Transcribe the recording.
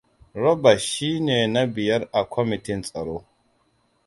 Robert shi ne na biyar a kwamitin tsaro.